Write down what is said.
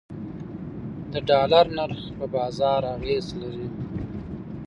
د ډالر نرخ په بازار اغیز لري